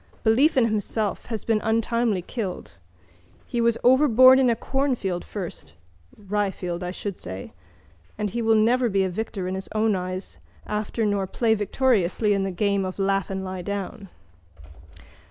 Belief in himself has been untimely killed. He was overborne in a cornfield first (ryefield, I should say) and he will never be a victor in his own eyes after nor play victoriously the game of laugh and lie down.